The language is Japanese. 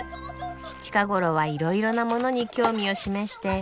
近頃はいろいろなものに興味を示して。